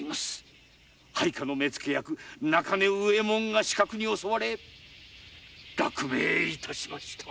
配下の目付役・中根右衛門が刺客に襲われ死亡しました。